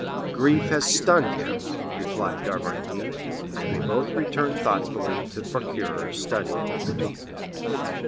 "Grief has stunned him," replied d'Avrigny; and they both returned thoughtfully to the procureur's study.